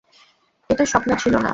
এটা স্বপ্ন ছিল না।